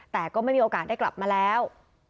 แต่ก็ไม่มีโอกาสได้กลับมาแล้ว